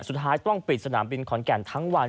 สุดท้ายต้องปิดสนามบินขอนแก่นทั้งวัน